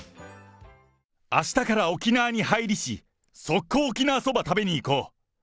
あしたから沖縄に入りし、速攻、沖縄そば食べに行こう。